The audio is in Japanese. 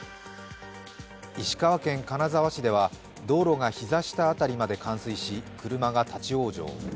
石川県金沢市では道路が膝下辺りまで冠水し車が立往生。